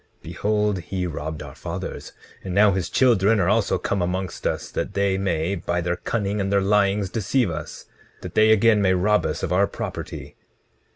Behold, he robbed our fathers; and now his children are also come amongst us that they may, by their cunning and their lyings, deceive us, that they again may rob us of our property.